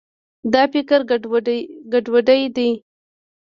دا فکري ګډوډي ده.